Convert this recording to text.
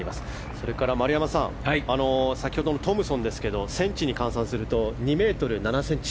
それから、丸山さん先ほどのトムソンですがセンチに換算すると２ｍ７ｃｍ。